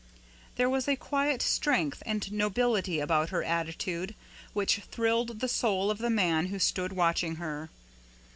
There was a quiet strength and nobility about her attitude which thrilled the soul of the man who stood watching her.